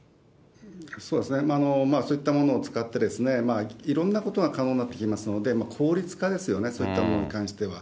そうですね、そういったものを使って、いろんなことが可能になってきますので、効率化ですよね、そういったものに関しては。